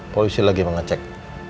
polisi lagi mengecek